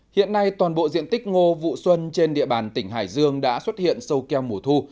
hiện nay toàn bộ diện tích ngô vụ xuân trên địa bàn tỉnh hải dương đã xuất hiện sâu keo mùa thu